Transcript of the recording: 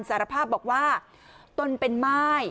สารภาพบอกว่าตนเป็นม่าย